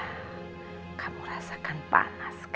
bukannya visas kebunyah agung